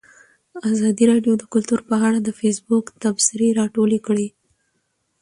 ازادي راډیو د کلتور په اړه د فیسبوک تبصرې راټولې کړي.